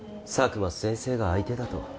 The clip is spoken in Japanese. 佐久間先生が相手だと。